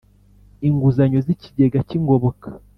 Inguzanyo z ikigega cy ingoboka